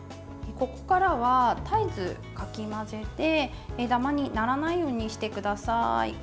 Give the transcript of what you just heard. ここからは、絶えずかき混ぜてダマにならないようにしてください。